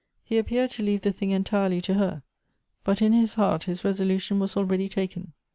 He appeared to leave the thing entirely to her ; but in his heart his resolution was already taken.